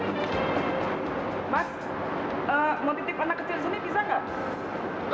eee mau menitip anak kecil sini bisa nggak